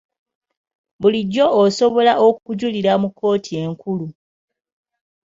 Bulijjo osobola okujulira mu kkooti enkulu.